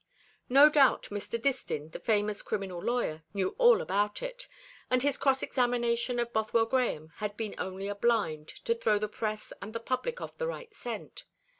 No doubt Mr. Distin, the famous criminal lawyer, knew all about it, and his cross examination of Bothwell Grahame had been only a blind to throw the press and the public off the right scent.